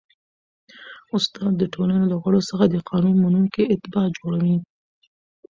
استاد د ټولني له غړو څخه د قانون منونکي اتباع جوړوي.